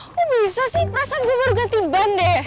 kok bisa sih perasaan gue baru ganti ban deh